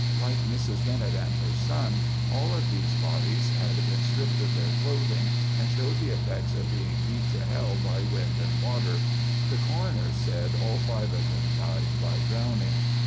Like Mrs. Bennett and her son, all of these bodies had been stripped of their clothing and showed the effects of being beat to hell by wind and water. The coroner said all five of them died by drowning.